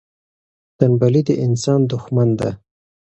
تنبلي د انسان دښمن ده.